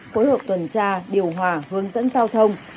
phối hợp tuần tra điều hòa hướng dẫn giao thông